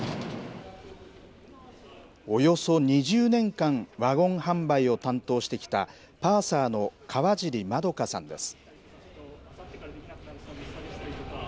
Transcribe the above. およそ２０年間、ワゴン販売を担当してきた、パーサーの川尻真富果さんです。